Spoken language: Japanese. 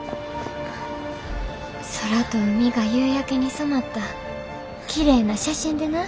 空と海が夕焼けに染まったきれいな写真でな。